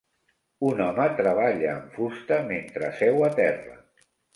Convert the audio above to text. Un home treballa amb fusta mentre seu a terra.